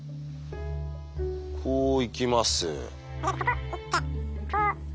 こう行きます。